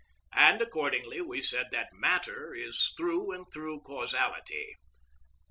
And accordingly, we said that matter is through and through causality.